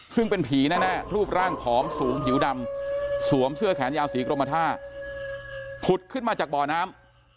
ซึ่งเป็นผีแน่รูปร่างผอมสูงผิวดำสวมเสื้อแขนยาวสีกรมท่าผุดขึ้นมาจากบ่อน้ำ